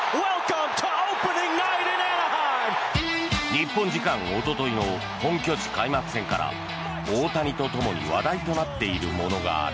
日本時間おとといの本拠地開幕戦から大谷とともに話題となっているものがある。